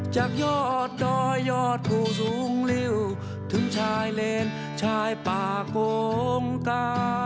จากยอดดอยยอดผู้สูงริ้วถึงชายเลนชายป่าโกงกา